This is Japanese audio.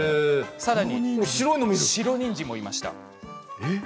さらに白にんじんも出てきました。